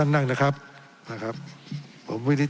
ทั้งสองกรณีผลเอกประยุทธ์